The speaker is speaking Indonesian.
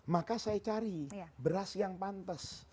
maka saya cari beras yang pantas